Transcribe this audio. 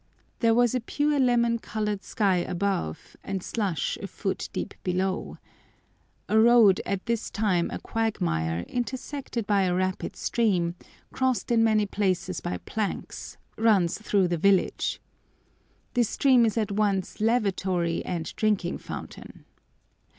There was a pure lemon coloured sky above, and slush a foot deep below. A road, at this time a quagmire, intersected by a rapid stream, crossed in many places by planks, runs through the village. This stream is at once "lavatory" and "drinking fountain."